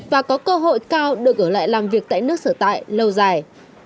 và có cơ hội cao được ở lại làm việc tại nước sở tại lâu dài